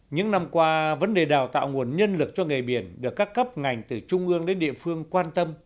những năm qua vấn đề đào tạo nguồn nhân lực cho nghề biển được các cấp ngành từ trung ương đến địa phương quan tâm